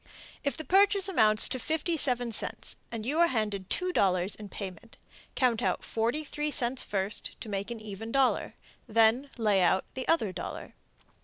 If the purchase amounts to 57 cents, and you are handed $2.00 in payment, count out 43 cents first to make an even dollar. Then layout the other dollar.